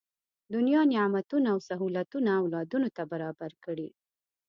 دنیا نعمتونه او سهولتونه اولادونو ته برابر کړي.